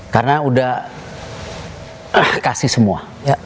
karena sudah kasih semua